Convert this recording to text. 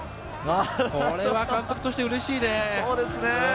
これは監督としてうれしいね。